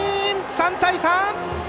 ３対３！